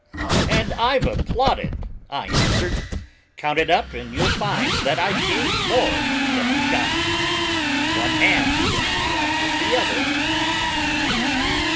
'And I've applauded,' I answered; 'count it up and you'll find that I gave more than I got! One hand washes the other.